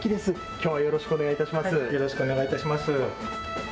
きょうはよろしくお願いいたします。